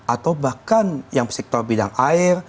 atau bahkan yang sektor bidang air